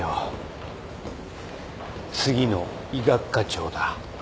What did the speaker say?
次の医学科長だ。